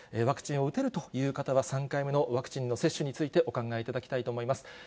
ワクチンを打てるという方は、３回目のワクチンの接種についてお考えいただきたいと思います。